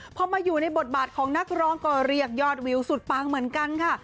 พอมาอยู่ในบทบาทของนักร้องก็เรียกยอดวิวสุดปังเหมือนกันค่ะ